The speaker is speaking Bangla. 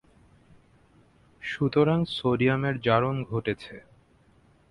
সুতরাং সোডিয়ামের জারণ ঘটেছে।